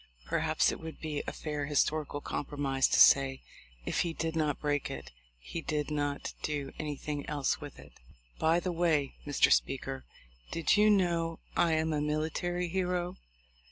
Perhaps it would be a fair historical com promise to say if he did not break it, he did not do anything else with it. "By the way, Mr. Speaker, did you know I am a military hero?